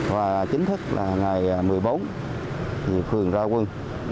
và chính thức là ngày một mươi bốn thì phường ra quân